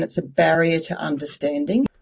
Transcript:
dan menjadi perintah untuk paham